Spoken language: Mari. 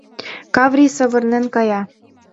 Каврий савырнен кая.